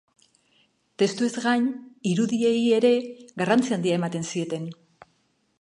Testuez gain, irudiei ere garrantzi handia ematen zieten.